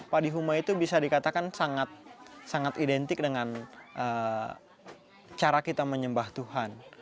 padi huma itu bisa dikatakan sangat identik dengan cara kita menyembah tuhan